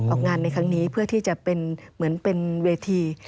ออกงานในครั้งนี้เพื่อที่จะเป็นเหมือนเป็นเวที